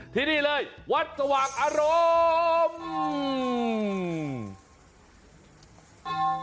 ที่นี่เลยวัดสว่างอารมณ์